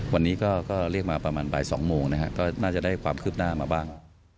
วันนี้ก็เรียกมาประมาณบ่าย๒โมงนะครับก็น่าจะได้ความคืบหน้ามาบ้าง